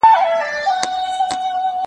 زه اوس چپنه پاکوم!!